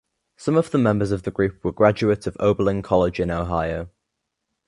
Some of the members of the group were graduates of Oberlin College in Ohio.